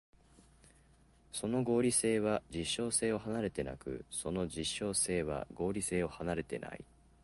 その合理性は実証性を離れてなく、その実証性は合理性を離れてない。